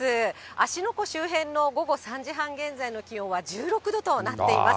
芦ノ湖周辺の午後３時半現在の気温は１６度となっています。